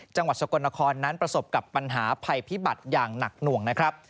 จังหวัดสกลนครนั้นประสบกับปัญหาภัยพิบัติอย่างหนักหน่วงนะครับ